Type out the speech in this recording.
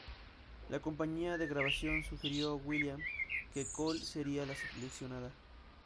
La compañía de grabación sugirió a Will.i.am que Cole sería la seleccionada.